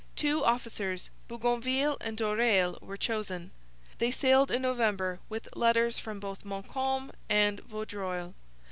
Two officers, Bougainville and Doreil, were chosen. They sailed in November with letters from both Montcalm and Vaudreuil.